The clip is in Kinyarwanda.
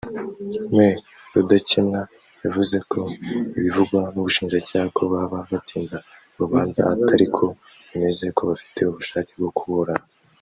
Me Rudakemwa yavuze ko ibivugwa n’Ubushinjacyaha ko baba batinza urubanza atariko bimeze ko bafite ubushake bwo kuburana